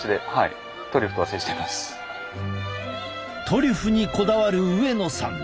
トリュフにこだわる上野さん。